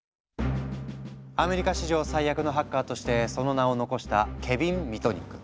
アメリカ史上最悪のハッカーとしてその名を残したケビン・ミトニック。